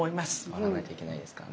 笑わないといけないですからね。